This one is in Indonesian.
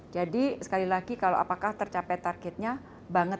jadi sekali lagi kalau apakah tercapai targetnya banget